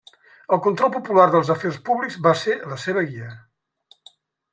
El control popular dels afers públics va ser la seva guia.